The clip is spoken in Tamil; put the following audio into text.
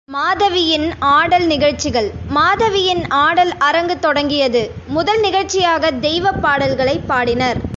மாதவியின் ஆடல் நிகழ்ச்சிகள் மாதவியின் ஆடல் அரங்கு தொடங்கியது முதல் நிகழ்ச்சியாகத் தெய்வப் பாடல்களைப் பாடினர்.